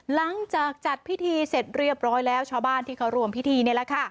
หลังจากจัดพิธีเสร็จเรียบร้อยแล้วชาวบ้านที่เขารวมพิธีนี่แหละค่ะ